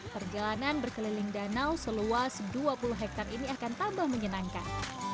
perjalanan berkeliling danau seluas dua puluh hektare ini akan tambah menyenangkan